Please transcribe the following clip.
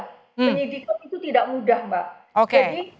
penyidikan itu tidak mudah mbak